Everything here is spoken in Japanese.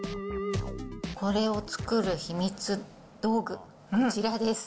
これを作る秘密道具、こちらです。